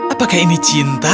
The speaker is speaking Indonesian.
apakah ini cinta